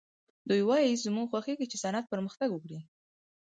دوی وايي زموږ خوښېږي چې صنعت پرمختګ وکړي